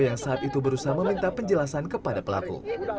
yang saat itu berusaha meminta penjelasan kepada pelaku